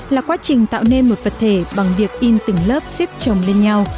là quá trình tạo nên một vật thể bằng việc in từng lớp xếp trồng lên nhau